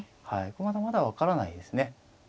まだまだ分からないですね。